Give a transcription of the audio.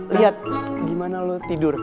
liat gimana lu tidur